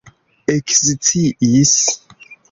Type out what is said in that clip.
eksciis